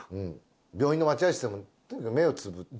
病院の待合室でもとにかく目をつぶって。